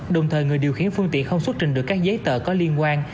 đồng thời người điều khiển phương tiện không xuất trình được các giấy tờ có liên quan